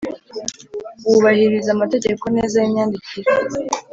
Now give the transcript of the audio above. wubahiriza amategeko neza y’imyandikire,